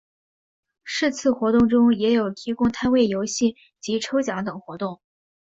是次活动中也有提供摊位游戏及抽奖等活动。